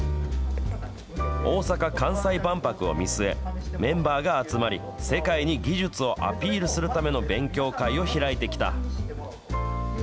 大阪・関西万博を見据え、メンバーが集まり、世界に技術をアピールするための勉強会を開いてきた。